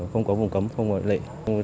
không có vùng cấm không có nghỉ lễ